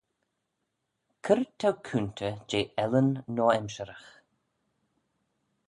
C'red t'ou coontey jeh ellan noa-emshiragh?